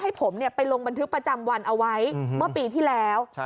ให้ผมไปลงบันทึกประจำวันเอาไว้เมื่อปีที่แล้ว